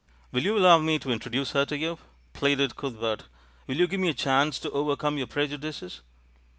"Will you allow me to introduce her to you?" pleaded Cuthbert. "Will you give me a chance to overcome your prejudices?"